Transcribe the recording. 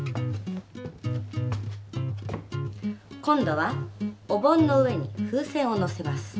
今度はお盆の上に風船をのせます。